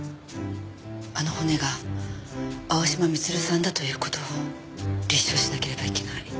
あの骨が青嶋光留さんだという事を立証しなければいけない。